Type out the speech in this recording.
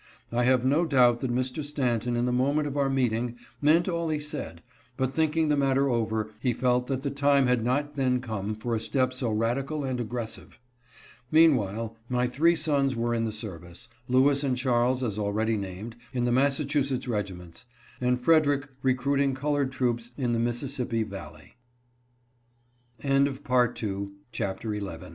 I have no doubt that Mr. Stanton in the moment of our meeting meant all he said, but thinking the matter over he felt that the time had not then come for a step so radical and aggressive. Meanwhile my three sons were in the service, Lewis and Charles, as already named, in the Massachusetts regi ments, and Frederick recruiting colored troop